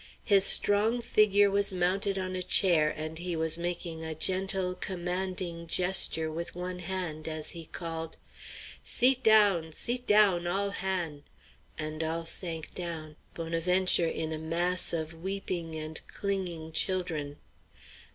His strong figure was mounted on a chair, and he was making a gentle, commanding gesture with one hand as he called: "Seet down! Seet down, all han'!" And all sank down, Bonaventure in a mass of weeping and clinging children.